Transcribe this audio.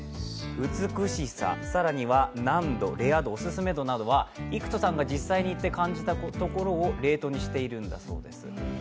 美しさ、更には難度、レア度オススメ度など郁仁さんが実際にいって感じたところをレートにしているんだそうです。